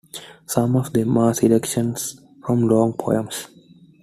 Some of them are selections from long poems.